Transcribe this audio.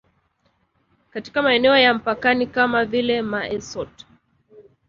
katika maeneo ya mpakani kama vile Mae Sot